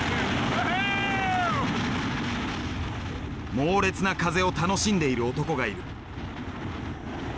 猛烈な風を楽しんでいる男がいる。